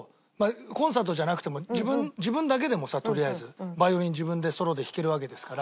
コンサートじゃなくても自分だけでもさとりあえずヴァイオリン自分でソロで弾けるわけですから。